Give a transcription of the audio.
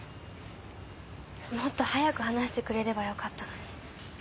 もっと早く話してくれればよかったのに。